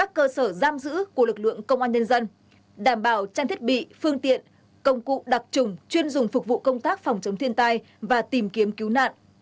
công an nhân dân đảm bảo trang thiết bị phương tiện công cụ đặc trùng chuyên dùng phục vụ công tác phòng chống thiên tai và tìm kiếm cứu nạn